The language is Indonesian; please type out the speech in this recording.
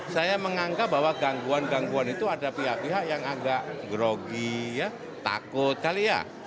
saya menganggap bahwa gangguan gangguan itu ada pihak pihak yang agak grogi ya takut kali ya